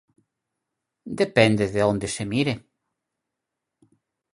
Depende de a onde se mire.